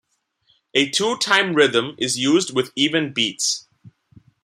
A two-time rhythm is used with even beats.